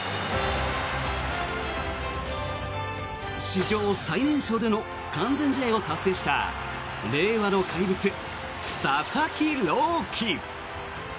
史上最年少での完全試合を達成した令和の怪物、佐々木朗希。